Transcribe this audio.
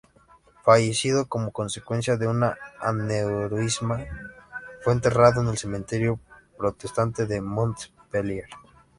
Fallecido como consecuencia de un aneurisma, fue enterrado en el cementerio protestante de Montpellier.